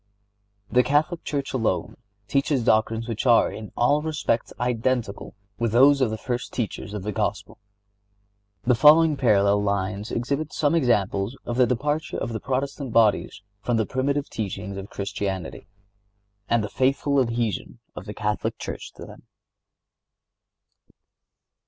The Catholic Church alone teaches doctrines which are in all respects identical with those of the first teachers of the Gospel. The following parallel lines exhibit some examples of the departure of the Protestant bodies from the primitive teachings of Christianity, and the faithful adhesion of the Catholic Church to them.